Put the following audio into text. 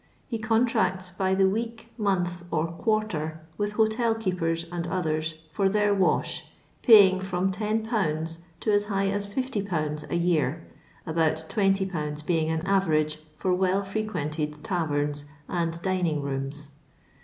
He contracu by the week, month, or quarter, with hotel keepers and others, for their wash, paying from 10/. to as high as 50/. a year, about 20/. being an average for well frequented taverns and "dining rooms."